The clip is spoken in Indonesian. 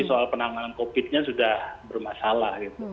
nah soal penanganan kopinya sudah bermasalah